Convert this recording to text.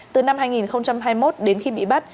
từ năm hai nghìn hai mươi một đến khi bị bắt